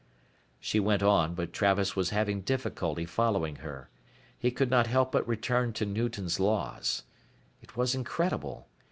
She went on, but Travis was having difficulty following her. He could not help but return to Newton's Laws. It was incredible.